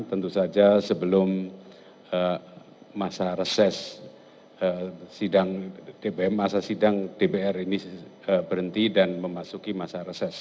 itu saja sebelum masa reses sidang dpr ini berhenti dan memasuki masa reses